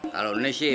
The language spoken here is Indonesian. kalau ini sih